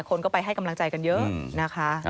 คนก็ไปให้กำลังใจกันเยอะนะคะ